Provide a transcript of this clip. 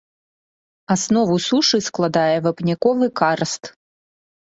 Аснову сушы складае вапняковы карст.